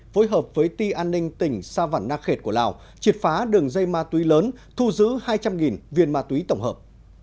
phối hợp với ti an ninh tỉnh sa văn na khệt của lào triệt phá đường dây ma túy lớn thu giữ hai trăm linh viên ma túy tổng hợp